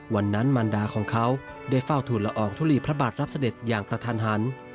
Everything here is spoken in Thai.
วันนั้นมันดาของเขาได้เฝ้าทุนละอองทุลีพระบาทรับเสด็จอย่างกระทันหัน